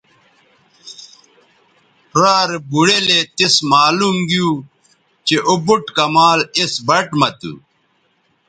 را رے بوڑیلے تس معلوم گیو چہء او بُٹ کمال اِس بَٹ مہ تھو